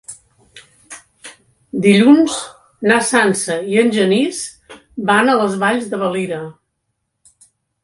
Dilluns na Sança i en Genís van a les Valls de Valira.